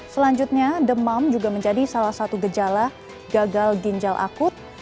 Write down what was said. selanjutnya demam juga menjadi salah satu gejala gagal ginjal akut